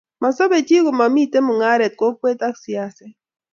masobe chi komamito mungaret, kokwet ak siaset